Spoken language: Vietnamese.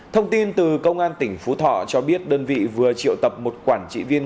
thông tin từ công an tỉnh phú thọ cho biết đơn vị vừa triệu tập một quản trị viên